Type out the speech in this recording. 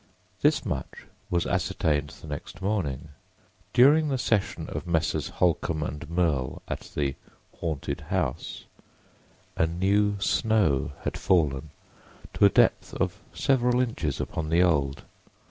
This much was ascertained the next morning. During the session of Messrs. Holcomb and Merle at the "haunted house" a new snow had fallen to a depth of several inches upon the old.